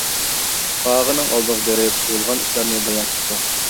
قاغىنىڭ ئالدىغا بېرىپ، بولغان ئىشلارنى بايان قىپتۇ.